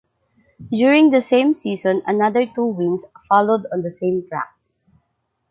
During the same season another two wins followed on the same track.